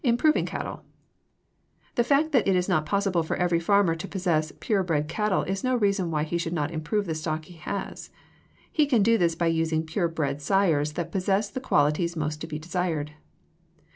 =Improving Cattle.= The fact that it is not possible for every farmer to possess pure bred cattle is no reason why he should not improve the stock he has. He can do this by using pure bred sires that possess the qualities most to be desired.